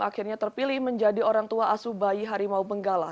akhirnya terpilih menjadi orang tua asu bayi harimau benggala